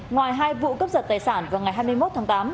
ngoài hai vụ cấp giật tài sản vào ngày hai mươi một tháng tám